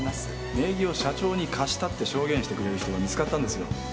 名義を社長に貸したって証言してくれる人が見つかったんですよ。